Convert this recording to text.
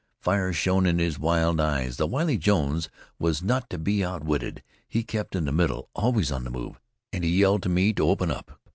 Fire shone in his wild eyes. The wily Jones was not to be outwitted; he kept in the middle, always on the move, and he yelled to me to open up.